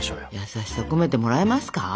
優しさ込めてもらえますか？